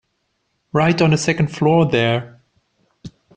Right on the second floor there.